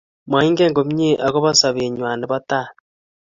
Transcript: maingen komye akobo sobeng'wang' nebo tai